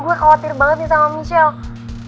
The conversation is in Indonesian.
gue khawatir banget nih sama michelle